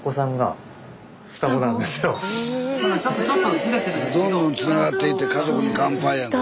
スタジオどんどんつながっていって「家族に乾杯」やんか。